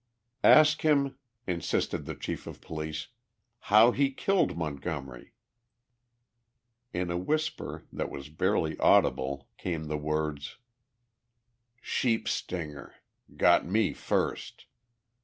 "Ask him," insisted the chief of police, "how he killed Montgomery?" In a whisper that was barely audible came the words: "Sheep stinger. Got me first."